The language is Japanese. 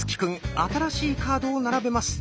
新しいカードを並べます。